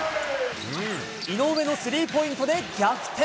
いのうえのスリーポイントで逆転。